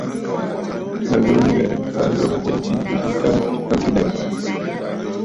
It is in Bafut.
À ghɨ̀rə ŋghɛ̀ɛ̀ m̀fa ǹjoo jya jìi bɨ betə aa, a mfiʼi ɨlɛ̀ɛ̂ waa.